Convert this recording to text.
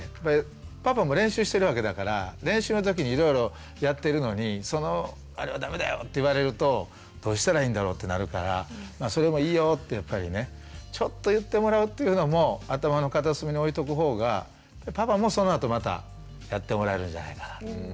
パパも練習してるわけだから練習の時にいろいろやってるのにそのあれは駄目だよって言われるとどうしたらいいんだろう？ってなるから「それもいいよ」ってやっぱりねちょっと言ってもらうっていうのも頭の片隅に置いとくほうがパパもそのあとまたやってもらえるんじゃないかな。